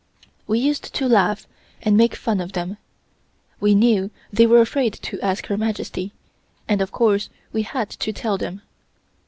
We used to laugh and make fun of them. We knew they were afraid to ask Her Majesty, and of course we had to tell them.